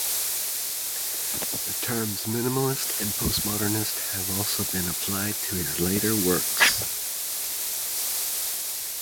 The terms minimalist and post-modernist have also been applied to his later works.